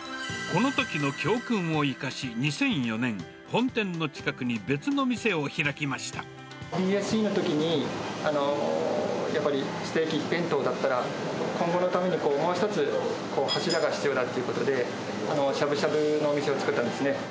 このときの教訓を生かし、２００４年、ＢＳＥのときに、やっぱりステーキ一辺倒だったら、今後のためにもう１つ、柱が必要だということで、しゃぶしゃぶのお店を作ったんですね。